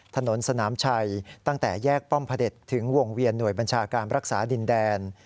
ถนนสนามชัยตั้งแต่แยกป้อมพระเด็จถึงวงเวียนหน่วยบัญชาการรักษาดินแดน